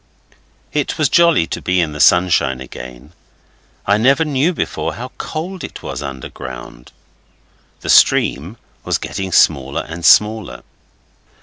It was jolly to be in the sunshine again. I never knew before how cold it was underground. The stream was getting smaller and smaller.